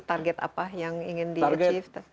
target apa yang ingin diachieve